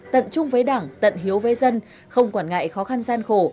tận chung với đảng tận hiếu với dân không quản ngại khó khăn gian khổ